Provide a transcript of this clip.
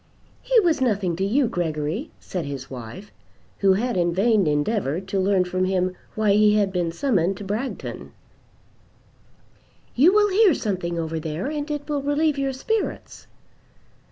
"He was nothing to you, Gregory," said his wife, who had in vain endeavoured to learn from him why he had been summoned to Bragton "You will hear something over there, and it will relieve your spirits."